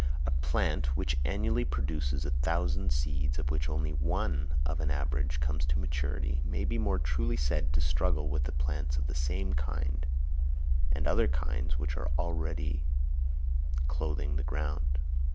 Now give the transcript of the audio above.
A plant which annually produces a thousand seeds, of which only one of an average comes to maturity, may be more truly said to struggle with the plants of the same and other kinds which already clothe the ground.